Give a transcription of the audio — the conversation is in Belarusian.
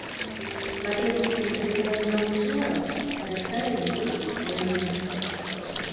Пакет мусілі даставіць нам учора, а даставілі толькі сёння.